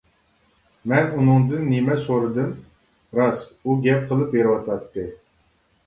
مەن ئۇنىڭدىن نېمە سورىدىم؟ راست، ئۇ گەپ قىلىپ بېرىۋاتاتتى.